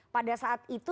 pada saat itu